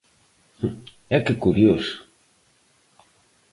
E que curioso!